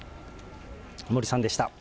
森さんでした。